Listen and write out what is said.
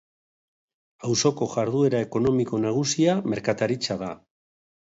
Auzoko jarduera ekonomiko nagusia merkataritza da.